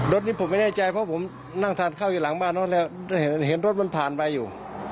รถนี้ผมไม่แน่ใจเพราะผมนั่งทานข้าวอยู่หลังบ้านแล้วเห็นรถมันผ่านไปอยู่